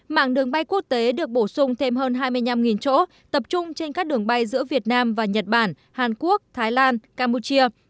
mạng đường bay quốc tế được bổ sung thêm hơn hai mươi năm chỗ tập trung trên các đường bay giữa việt nam và nhật bản hàn quốc thái lan campuchia